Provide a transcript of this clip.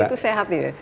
itu sehat ya